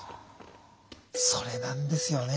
それなんですよね。